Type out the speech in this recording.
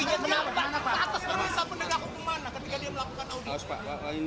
pak pak pak